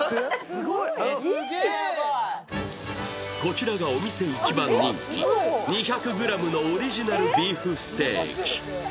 こちらがお店一番人気、２００ｇのオリジナルビーフステーキ。